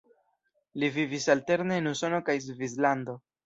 Li vivis alterne en Usono kaj Svislando.